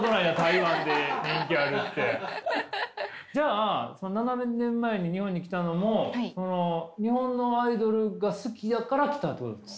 じゃあ７年前に日本に来たのも日本のアイドルが好きだから来たってことですか？